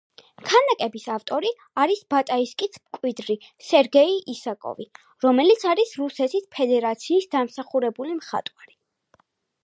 ქანდაკების ავტორი არის ბატაისკის მკვიდრი სერგეი ისაკოვი, რომელიც არის რუსეთის ფედერაციის დამსახურებული მხატვარი.